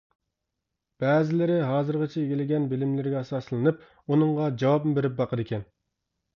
بەزىلىرى ھازىرغىچە ئىگىلىگەن بىلىملىرىگە ئاساسلىنىپ ئۇنىڭغا جاۋابمۇ بېرىپ باقىدىكەن.